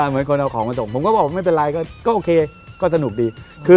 เหมือนคนเอาของมาส่งผมก็บอกไม่เป็นไรก็โอเคก็สนุกดี